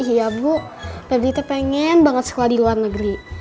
iya bu pebitnya pengen banget sekolah di luar negeri